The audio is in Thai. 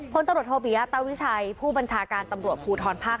พลตำรวจโทปิยะตาวิชัยผู้บัญชาการตำรวจภูทรภาค๗